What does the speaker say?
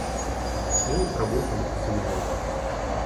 Ён прабыў там адзін год.